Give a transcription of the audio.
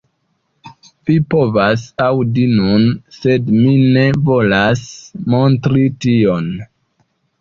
Vi povas aŭdi nun, sed mi ne volas montri tion.